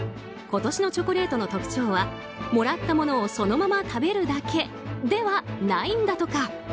今年のチョコレートの特徴はもらったものをそのまま食べるだけではないんだとか。